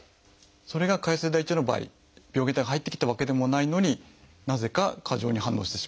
それが潰瘍性大腸炎の場合病原体が入ってきたわけでもないのになぜか過剰に反応してしまう。